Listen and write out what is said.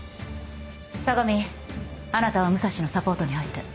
相模あなたは武蔵のサポートに入って。